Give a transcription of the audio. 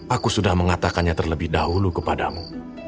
aku sudah mengatakannya terlebih dahulu kepadamu